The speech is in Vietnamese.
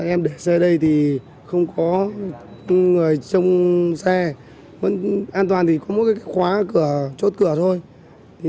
em để xe đây thì không có người chung xe an toàn thì có một cái khóa cửa chỗ tự